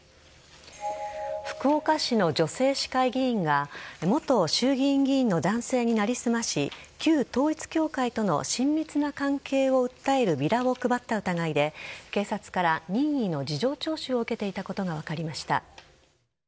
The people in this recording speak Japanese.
福岡市の女性市会議員が元衆議院議員の男性に成り済まし旧統一教会との親密な関係を訴えるビラを配った疑いで警察から任意の事情聴取を受けていたことが分かりました。